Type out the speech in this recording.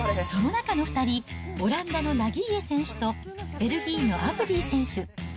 その中の２人、オランダのナギーエ選手とベルギーのアブディ選手。